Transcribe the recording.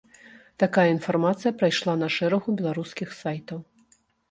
Такая інфармацыя прайшла на шэрагу беларускіх сайтаў.